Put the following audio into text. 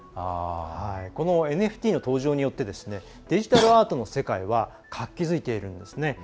このＮＦＴの登場によってデジタルアートの世界は活気づいているんですね。